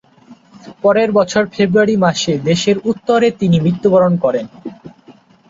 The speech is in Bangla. পরের বছর ফেব্রুয়ারি মাসে দেশের উত্তরে তিনি মৃত্যুবরণ করেন।